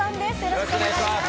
よろしくお願いします